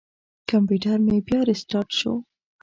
کمپیوټر مې بیا ریستارټ شو.